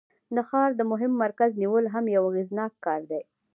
د ښار د مهم مرکز نیول هم یو اغیزناک کار دی.